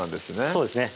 そうですね